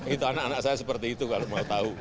itu anak anak saya seperti itu kalau mau tahu